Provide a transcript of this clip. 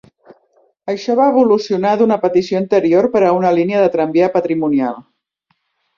Això va evolucionar d'una petició anterior per a una línia de tramvia patrimonial.